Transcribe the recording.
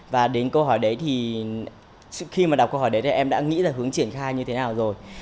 và đến câu hỏi đấy thì khi mà đọc câu hỏi đấy thì em đã nghĩ là hướng triển khai như thế nào rồi